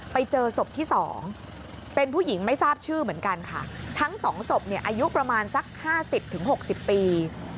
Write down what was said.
ไปเจอศพที่๒เป็นผู้หญิงไม่ทราบชื่อเหมือนกันค่ะทั้งสองศพเนี่ยอายุประมาณสัก๕๐๖๐ปี